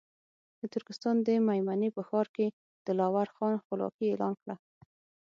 د ترکستان د مېمنې په ښار کې دلاور خان خپلواکي اعلان کړه.